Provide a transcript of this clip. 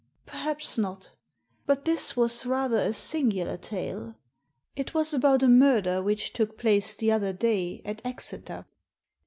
Perhaps not; but this was rather a singular tale. It was about a murder which took place the other day at Exeter."